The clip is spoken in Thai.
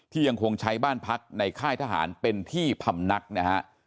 ยังคงใช้บ้านพักในค่ายทหารเป็นที่พำนักนะฮะ